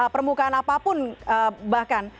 permukaan apapun bahkan